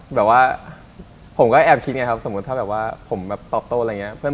แบบว่าผมก็แอบคิดไงครับสมมุติถ้าแบบว่าผมแบบตอบโต้อะไรอย่างนี้